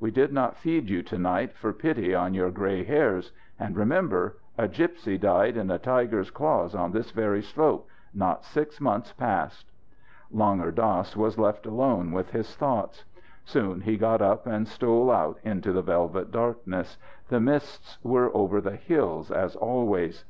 "We did not feed you to night for pity on your grey hairs. And remember a gipsy died in a tiger's claws on this very slope not six months past." Langur Dass was left alone with his thoughts. Soon he got up and stole out into the velvet darkness. The mists were over the hills as always.